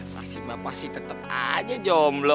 nasib bapak sih tetep aja jomblo